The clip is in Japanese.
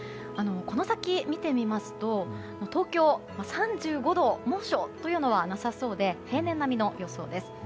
この先を見てみますと東京は３５度、猛暑というのはなさそうで平年並みの予想です。